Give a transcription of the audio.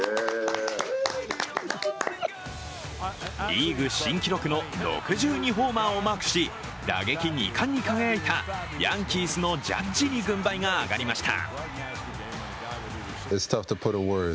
リーグ新記録の６２ホーマーをマークし打撃２冠に輝いたヤンキースのジャッジに軍配が上がりました。